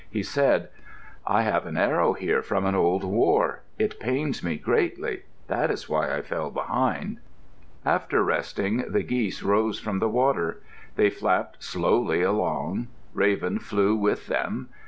He said, "I have an arrow here from an old war. It pains me greatly. That is why I fell behind." After resting, the geese rose from the water. They flapped slowly along. Raven flew with them.